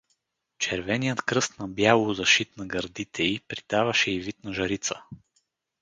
Червеният кръст на бяло, зашит на гърдите й, придаваше й вид на жрица.